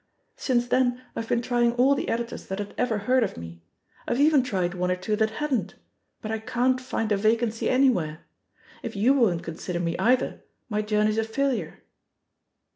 Since then I've been trying all the editors that had ever heard of me — ^I've even tried one or two that hadn't — ^but I can't find a vacancy anywhere. If you won't consider me either, my journey's a failure."